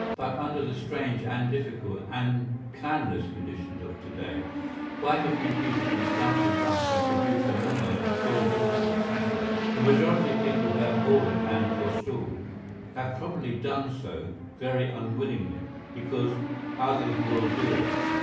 But under the strange and difficult and planless conditions of to day quite a few people can start a rush and produce an almost irresistible pressure. The majority of people who have hoarded and forestalled have probably done so very unwillingly, because "others will do it."